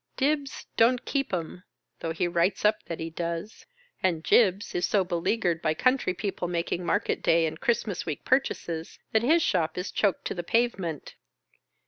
Dibbs " don't keep 'em," though he writes up that he does, and Jibbs ia so beleaguered by country people making market day and Christmas week purchases, that his shop is choked to the pavement.